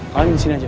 kamu disini aja